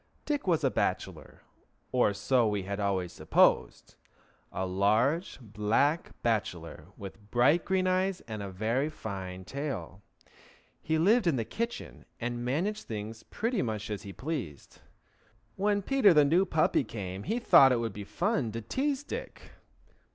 Dick was a bachelor, or so we had always supposed: a large black bachelor, with bright green eyes, and a very fine tail. He lived in the kitchen, and managed things pretty much as he pleased. When Peter, the new puppy, came he thought it would be fun to tease Dick.